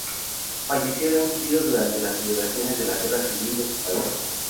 Falleció de un tiro durante celebraciones de la guerra civil de su país.